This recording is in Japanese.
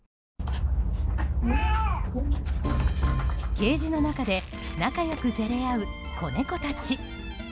ケージの中で仲良くじゃれ合う子猫たち。